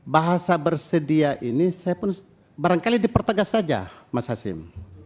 bahasa bersedia ini saya pun barangkali dipertegas saja mas hasim